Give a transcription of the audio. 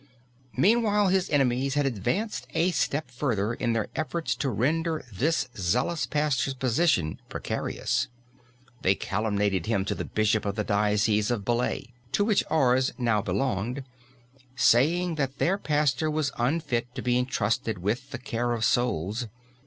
Meanwhile his enemies had advanced a step further in their efforts to render this zealous pastor's position precarious. They calumniated him to the bishop of the diocese of Belley, to which Ars now belonged, saying that their pastor was unfit to be entrusted with the care of souls.